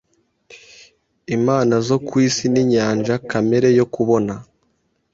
Imana zo ku isi ninyanja Kamere yo kubona